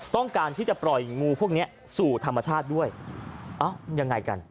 ต้องการที่จะปล่อยงูพวกเนี้ยสู่ธรรมชาติด้วยเอ้ายังไงกัน